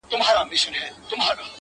هغه د هر مسجد و څنگ ته ميکدې جوړي کړې.